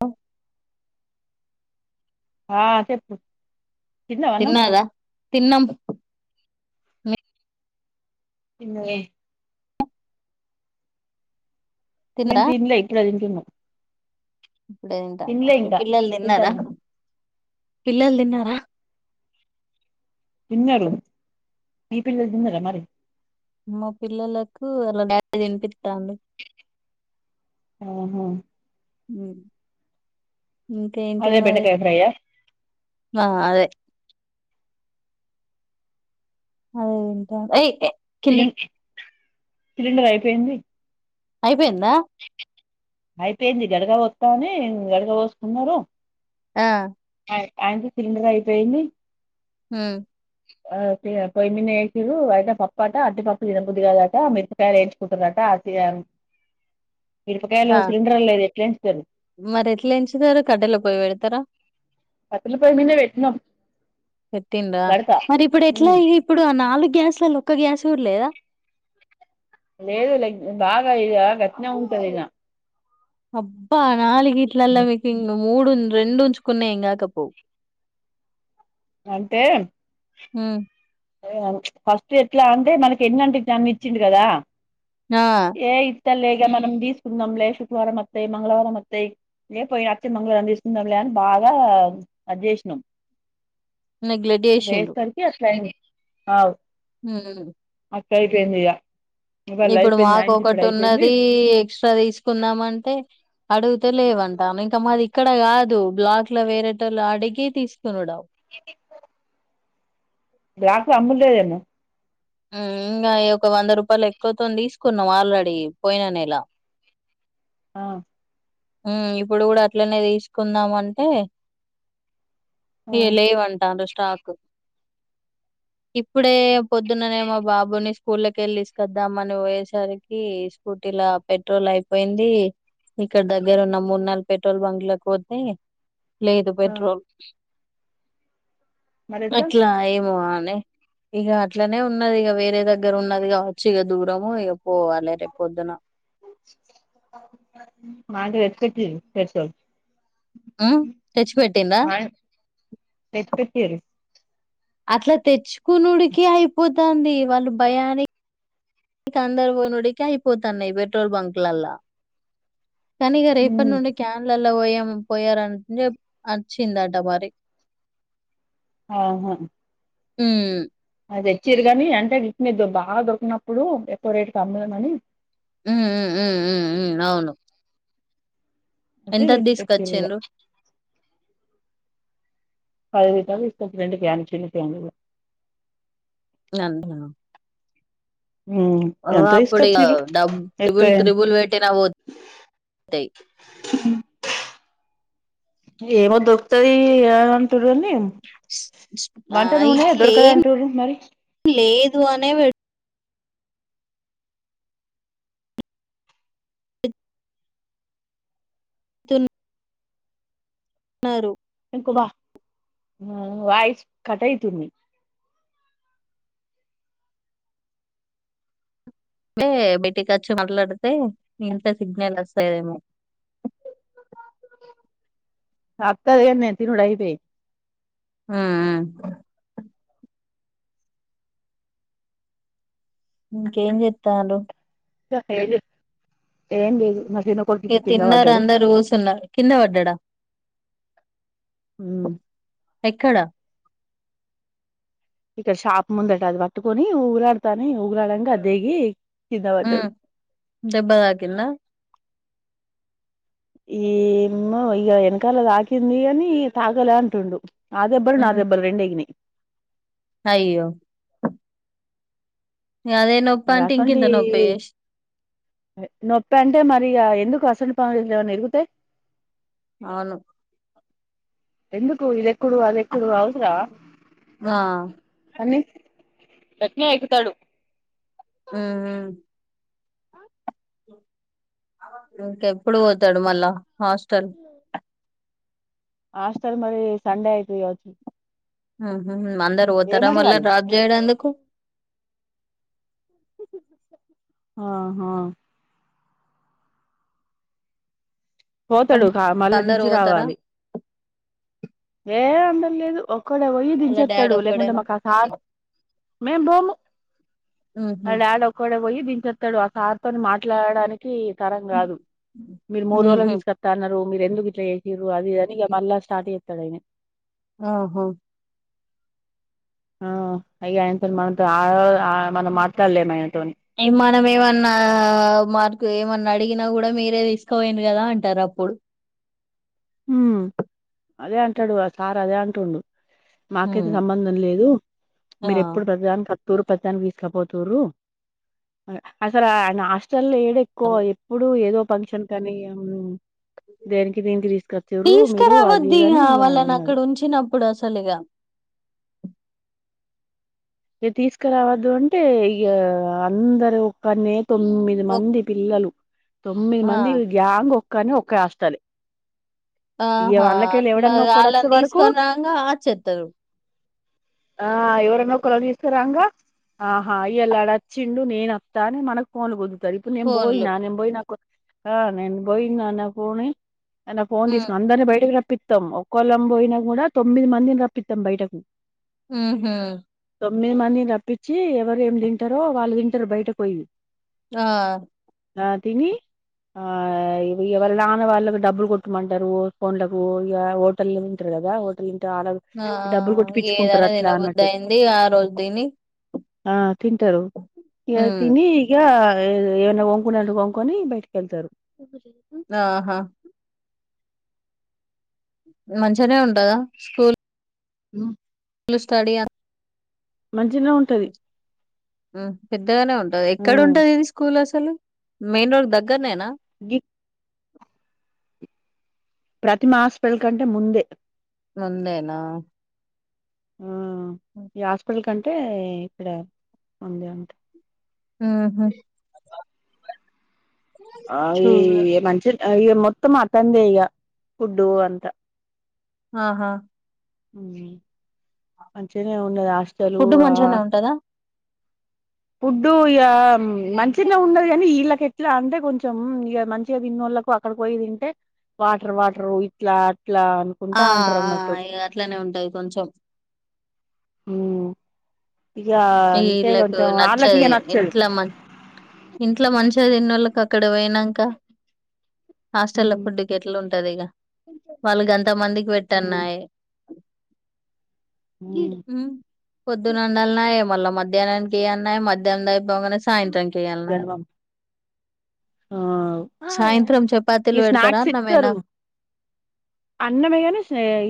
ఓ ఆ చెప్పు తిన్నావా అన్నం తిన్నదా తిన్నం తిన్నలే. మేము తిన్నారా దీనిట్లో ఇప్పుడు తింటునం ఇప్పుడేంటంట మీ ఇంకా పిల్లలు తిన్నారా తింటాను పిల్లలు తిన్నారా జిన్నలు ఈ పిల్లలు తిన్నరా మరి మా పిల్లలకు అలా నిపి ఆహా ఇంకేంటి అదే మరి బెండకాయ ఫ్రై ఆ ఆ అదే అదంటా అయి సిలి సిలిండర్ అయిపోయింది అయిపోయిందా అయిపోయింది గడగా వస్తాని గడగా పోసుకున్నారు ఆ ఆయనంత సిలిండర్ అయిపోయింది హ పొ్యిన్న వేసిారు అయితే పప్పట అటిపప్పు దినబుద్ధది కాదట మికాయలు వేంచుకుంటున్నట ఎం మీరాపకాయలు ఆ సిలిండర్ లేదు ఎట్లాంచంది మరి ఎట్లా ఎంచుతారు కట్టెల పొయ్యి పెడతారా పత్రలుపాయ మీిన వెట్న పెట్టింద మరి ఇప్పుడు ఎట్లా ఇప్పుడు నాలుగు గ్యాస్లలో ఒక్క గ్యాస్ ఊ లేదా లేదు లైక్ బాగా ఇ గట్న ఉంటదిలా అబ్బా నాలు గీట్లా ఎలా వకుంగ మూడు రెండు ఉంచుకున్నా ఇం కాక పో అంతే హ ఫస్ట్ ఎట్లా అంటే మనకి ఎన్నింటికిన్న ఇచ్చిడు కదా ఆ అత్త లేగా మనం తీసుకుందాంలే శుక్రవారం అత్తాయి మంగవారం వత్తాయి లేకపోయినా అస్తతే మంగళవారం తీసుకుందాంలే బాగా అది చేసినాం నెగ్లెట్ చేసిండ్రు వేసరికి అసల అ అవు హ అక్క అపో ఏందు చేయ ఇప్పుడు మాకు ఒకటి ఉన్నది ఎక్స్ట్రా తీసుకుందామ అంటే అడుగుతే లేవం త కమాది ఇక్కడ కాదు బ్లాక్ల వేరేటలు అడిగి తీసుకున్నాడావు గ్యాస్ అమ్ములులే మూ ఇంకా ఒక వంద రూపాయలు ఎక్కువతో తీసుకున్నాం ఆల్రెడీ పోయిన నలా ఆ ఉ ఇప్పుడు కూడా అట్లనే తీసుకుందాం అంటే ఆ ఏ లేవంటా అంట స్టాక్ ఇప్పుడే పొద్దుననేమో బాబుని స్కూల్ళక వెళ్ళ తీసుకొద్దామ అని పోయేసరికి స్కూటీలా పెట్రోల్ అయిపోయింది ఇక్కడ దగ్గర ఉన్న మూడు నలు పెట్రోల్ బంక్ లకు పోతే లేదు ఆ పెట్రోల్ మరి ఎట్లా అట్లా ఏమో ఆనే ఇక అట్లనే ఉన్నది ఇక వేరే దగ్గర ఉన్నది కావచ్చు ఇక దూరము ఇక పోవాలి రే పొద్దున మాతో ఎకట్ సచ థెచ్చి పెట్టిండా [inaudible] అట్లా తెచ్చుకునుడికి అయిపోతుంది వాళ్ళు భయానికి నకు అందరు పోయినడికి అయిపోతాన్నయి ఈ పెట్రోల్ బంక్ లలా కానీ ఇక రేపటి నుండి క్యాన్ల పోయా పోయారంటంటే వచ్చిందట మరి ఆహా ఉమ్ మీ బాగా దొరికినప్పుడు ఎక్కువ రేటు అమ్ముధామణి ఉమ్‌ ఉమ్ ఉమ్ ఉమ్ అవూను అంటే ఎంత తీసుకొచ్చిర్రు తీసుకొచ్చిండ్రు పది పైసల్ ఇస్థామ్ రెండు ప్యాన్ చిన్న ప్యాను [unintelligible] ఉమ్ ఓ ఎంత అప్పుడు ఇసుకా ఇగ చిరు డబ్ ఎ త్రిబుల్ త్రిబుల్ పెట్టినా పోతాయి ఏవో దొరుకుతధి అని ఆ వంటనునే దొరకద ఇట్లేం అంటూరు మరి లేదు అనే థున్ అన్నారు కుబ వాయిస్ కటాయి త బయటికి వచ్చి మాట్లాడితే ఇంత సిగ్నల్ వస్తాదేమో అ తక్ధాధి నెట్టినా ఉడా అయితాయ్ ఉమ్ ఊ ఇంకేం చెప్తాండ్రు [unintelligible] ఏం బ మధేన ఇక కింద తిన్నారు పద్దాడు అందరు కూసున్నారు కింద పడ్డాడా ఉమ్ ఎక్కడ ఇక్కడ షాప్ ముందట అది పట్టుకొని ఊగురాడుతానే ఊగురాడానికి అది దేగి ఉమ్ ధేబా థాకింధ ఏమ్మో ఇక వెనకాల తాకింది అని తాగలే అంటుండు అదిబ్బరు ఉమ్ నాదెబ్బరు రెండేగని అయ్యో అదే నొప్ప మరి అంటే అసొంటి ఇంకంత నొప్పి నొప్పి అంటే మరి ఇగ ఎందుకు అసంట పనులుమ ఎరుగుతాయి అవును ఎందుకు ఇది ఇదెక్కడు అదేకుడు అవసరమా ఆ సన్నీ గట్నే ఎక్కుతాడు ఉ మ్మ్ ఇంకెప్పుడు పోతాడు మళ్ళా హాస్టల్ హాస్టల్ మరి సండే అయితే కావచ్చు ఊహు మందరు ఏం పోతారా మల్ల అడగాలి డ్రాప్ చేయడందుకు ఆహా పోతాడు కా మళ్ల అందరు దించి పోతారా రావాలి ఏ అందల్లేదు ఒక్కడే బొయి వాళ్ళ డాడీ దించొత్తడు లేకుంటే ఒక్కడేనా మాకాస మేం బోము మా ఉహు డాడ్ ఒక్కడే బొయి దించొత్తడు ఆ సార్తోని మా ట్లాడడానికి తరం గాదు మీరు మూడు రోజులకి ఉహు తీస్కత్త అన్నారు మీరెందుకు ఇట్ల చేసిర్రు అది అని ఇగ మళ్ళా స్టార్ట్ చేత్తడు ఆయన ఆహా ఆ అయ్యాయన్తోని మనతొ ఆ మనం మాట్లాడలేము ఆయనతోని మనఏమన్నా మనకు ఏమన్నా అడిగినా గూడా మీరే తీసుకపోయిండ్రు గదా అంటారు అప్పుడు అదే అంటాడు ఆ సార్ అదే అంటుండు ఉ మాకైతే సంబంధం లేదు ఆ మీరెప్పుడు ప్రతి దానికి టూరు పద్దానికి తీసకపోతుర్రు అసలా నాస్ట్ అసల్లేడెక్కువ ఎప్పుడూ ఏదో పంక్షన్ కనీ దేనికి దీనికి తీసు తీసుకురావద్దిగ వాళ్లని అన్నాడు అక్కడ ఉంచినం ఇప్పుడు అసలుగ ఇక తీసుకురావద్దు అంటే ఇగ అందరు ఒక్కన్నే తొమ్మిది ఒక్ మంది పిల్లలు తొమ్మిది ఆ మంది గ్యాంగ్ ఒక్కనే ఒక్క హాస్టలే ఇగ ఆహా వాళ్ళకెళ్ళి అట్లా ఎవడన్నా ఒక్కడు వచ్చే వాళ్ళని వరకు తీసుకొని రాంగా ఆచేత్తరు ఆ ఎవరన్నో ఒక్కరో తీస్కోరాంగా ఆహా ఇయల్ల ఆడచ్చిండు నేన్ అత్తానే మనగ పోల్గుదు ఇప్పు నేను ఫోన్లు బోయినా నేను పోయినా కో ఆ నేన్ బొయినా నా కోని ఆయన ఫోన్ తీసుక్ ఉమ్ బయటకి రప్పితం ఒక్కలం బొయినా గుడా తొమ్మిది మందిని రప్పితం బయటకి ఊహు తొమ్మిది మందిని రప్పిచ్చి ఎవరేమి తింటరో వాళ్ళు తింటరు బయటకు పొయి ఆ ఆ తిని ఆ ఎవళ్ నాన్న వాళ్ళకి డబ్బులు కొట్టుమంట్ ఫోన్లకు ఇగ హోటల్లో తింటరు గదా హోటల్ చాల ఆ ఈ డబ్బులు ఏదైనా కొట్టిపిచ్చుకుంటారట్లా తినబుద్ధి అన్నట్టు అయింది ఆ రోజు తిని ఆ తింటరు ఇగ ఉ తిని ఇగా ఏ ఏమనా వొంకునంటే వొంకొని బయటకెళ్తారు నాహా మంచిగనే ఉంటదా స్కూల్ మ్ స్టడి ఆ మంచినే ఉంటది ఉమ్ పెద్దగానే ఉంటది ఆ ఎక్కడుంటది ఇది స్కూల్ అసలు మెయిన్ రోడ్ దగ్గ గర్నేనా గి ప్రతిమ హాస్పిటల్ కంటే ముందే ముందేనా ఆ ఈ హాస్పిటల్ కంటే ఇక్కడ ఉంది అంటే ఊహు ఆ ఈ మంచిగుం ఇ మొత్తం అతన్దే ఇగ ఫుడ్డు అంతా ఆహా అంచిగనే ఉన్నది ఆస్టలు ఫుడ్ ఆ. మంచిగానే ఉంటదా? [inaudible] ఫుడ్ ఇగా మంచిగనే ఉన్నది గానీ ఇళ్ళక ఎట్లా అంటే కొంచెం ఇగా మంచిగా తిన్నోళ్ళ. అక్కడికి పోయి తింటే వాటర్ వాటర్ ఇట్లా అట్లా అనుకుంటే ఆ! అంటరు ఆ! అన్నట్టు. ఇగ అట్లనే ఉంటది కొంచెం. ఇగా అందుకే ఈళ్ళకు కొంచెం ఆళ్లకి ఇగా నచ్చది. నచ్చదు. ఇంట్ల మం ఇంట్ల మంచిగా తినోళ్ళకి అక్కడ పోయినాక. హాస్టల్ లో ఫుడ్ కి ఎట్లు ఉంటది ఇగా వాళ్ళు అంతమందికి పెట్టాల్నేయి. మ్ పొద్దునవొండలన్నాయి మళ్ళ మధ్యాహ్నానికి ఏ అన్నాయి మధ్యాహం. బొంగనే సాయంత్రం కేయాలన్నాయి జన్మం సాయంత్రం చపాతీలు పెడతారా అన్నమేనా. అన్నమేగాని.